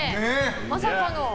まさかの。